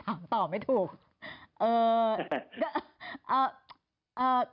ถามตอบไม่ถูก